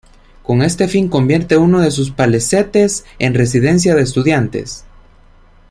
Con este fin convierte uno de sus palacetes en Residencia de estudiantes.